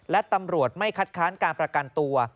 และตำรวจไม่คัดค้านการประกันตัว